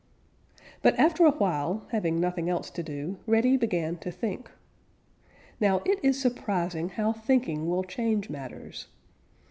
But after a while, having nothing else to do, Reddy began to think. Now it is surprising how thinking will change matters.